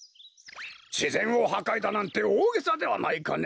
しぜんをはかいだなんておおげさではないかね。